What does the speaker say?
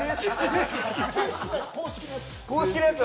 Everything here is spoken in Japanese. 公式のやつ